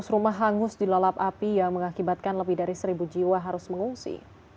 lima ratus rumah hangus dilalap api yang mengakibatkan lebih dari seribu jiwa harus mengungsi